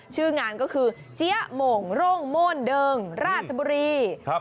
ชื่องานก็คือเจี๊ยะโมงโร่งโม่นเดิงราชบุรีครับ